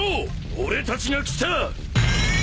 俺たちが来た！